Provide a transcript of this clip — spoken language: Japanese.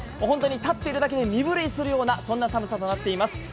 本当に立っているだけで身震いするような寒さとなっています。